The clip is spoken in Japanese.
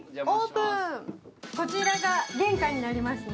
こちらが玄関になりますね。